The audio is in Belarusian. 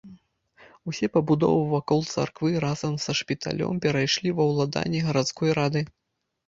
Усе пабудовы вакол царквы разам са шпіталем перайшлі ва ўладанне гарадской рады.